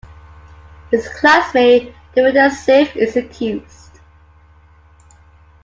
His classmate, Duvinder Singh, is accused.